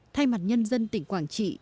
thay mặt nhân dân tỉnh quảng trị